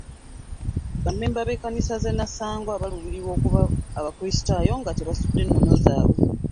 Bammemba b'ekkanisa zi nnansangwa baluubirira okuba abakulisitaayo nga tebasudde nnono zaabwe.